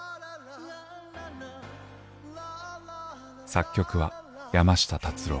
作曲は山下達郎。